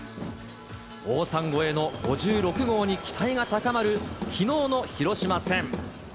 王さん超えの５６号に期待が高まる、きのうの広島戦。